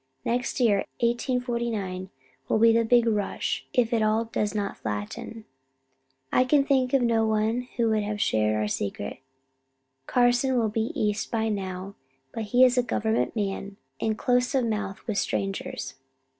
Next year, 1849, will be the big rush, if it all does not flatten. I can think of no one who can have shared our secret. Carson will be East by now, but he is a government man, and close of mouth with strangers.